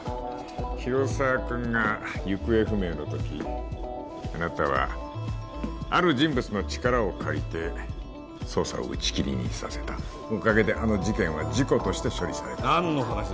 広沢君が行方不明のときあなたはある人物の力を借りて捜査を打ち切りにさせたおかげであの事件は事故として処理された何の話だ